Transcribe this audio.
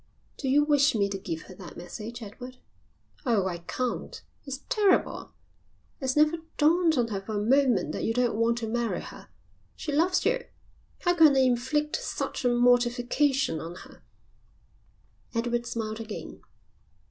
"Do you wish me to give her that message, Edward? Oh, I can't. It's terrible. It's never dawned on her for a moment that you don't want to marry her. She loves you. How can I inflict such a mortification on her?" Edward smiled again.